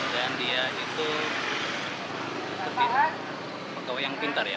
dan dia itu pegawai yang pintar ya